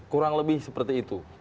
kurang lebih seperti itu